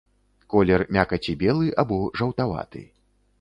Колер мякаці белы або жаўтаваты.